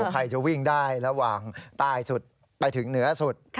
ใครจะวิ่งได้ระหว่างใต้สุดไปถึงเหนือสุด